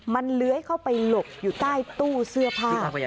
มันเลื้อยเข้าไปหลบอยู่ใต้ตู้เสื้อผ้า